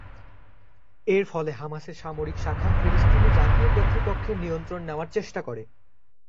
এর ফলে হামাসের সামরিক শাখা ফিলিস্তিনি জাতীয় কর্তৃপক্ষের নিয়ন্ত্রণ নেয়ার চেষ্টা করে।